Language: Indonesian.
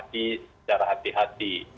harus dicermati secara hati hati